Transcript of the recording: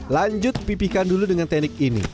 lanjut pipihkan dulu dengan teknik ini